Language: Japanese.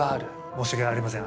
申し訳ありません。